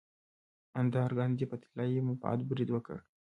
اندرا ګاندي په طلایی معبد برید وکړ.